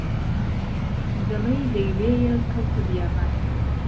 دهلێی لهيلێيه کهوته بیابان